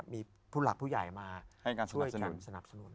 มีผู้หลักผู้ใหญ่มาให้การสนับสนุน